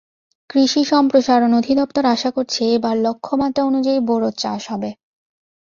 কৃষি সম্প্রসারণ অধিদপ্তর আশা করছে, এবার লক্ষ্যমাত্রা অনুযায়ী বোরোর চাষ হবে।